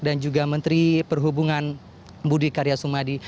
dan juga menteri perhubungan budi karya sumadi